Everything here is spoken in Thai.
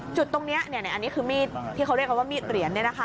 จุดตรงนี้อันนี้คือมีดที่เขาเรียกว่ามีดเหรียญเนี่ยนะคะ